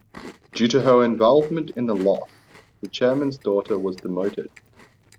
Due to her involvement in the loss, the chairman's daughter was demoted.